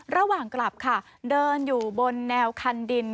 ระหว่างกลับค่ะเดินอยู่บนแนวคันดิน